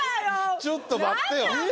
ちょっと待ってよ。